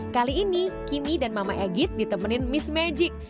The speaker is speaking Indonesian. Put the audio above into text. kali ini kimmy dan mama egit ditemenin miss magic